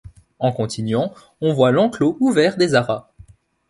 En continuant on voit l'enclos ouvert des aras.